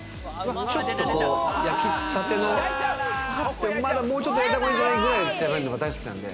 ちょっと焼きたての、まだもうちょっと焼いた方がいいかなぐらいが大好きなんで。